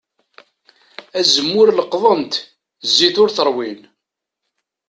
Azemmur leqḍen-t, zzit ur t-ṛwin.